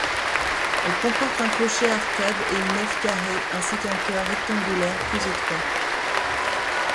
Elle comporte un clocher-arcade et une nef carrée, ainsi qu’un chœur rectangulaire, plus étroit.